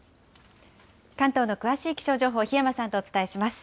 関東の詳しい気象情報、檜山さんとお伝えします。